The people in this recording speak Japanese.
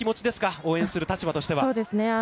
応援する立場としては。